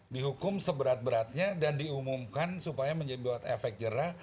dihukum seberat beratnya dan diumumkan supaya menjadi buat efek jerah